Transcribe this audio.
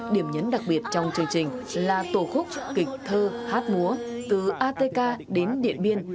điểm nhấn đặc biệt trong chương trình là tổ khúc kịch thơ hát múa từ atk đến điện biên